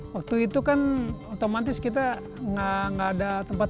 waktu itu kan otomatis kita nggak ada tempat